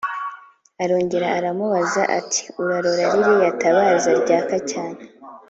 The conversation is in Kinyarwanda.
arongera aramubaza ati: “Urarora ririya tabaza ryaka cyane?